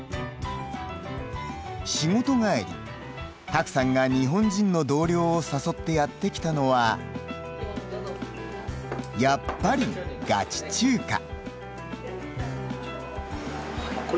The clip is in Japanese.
仕事帰り、薄さんが日本人の同僚を誘ってやってきたのはやっぱりガチ中華。